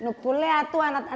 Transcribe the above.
ini adalah yang kita tahu